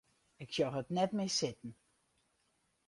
Ik sjoch it net mear sitten.